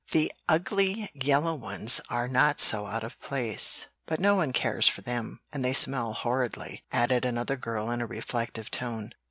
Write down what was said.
The ugly yellow ones are not so out of place; but no one cares for them, and they smell horridly," added another girl in a reflective tone.